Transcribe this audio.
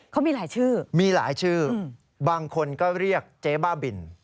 เขามีหลายชื่อมีหลายชื่อบางคนก็เรียกเจ๊บ้าบิน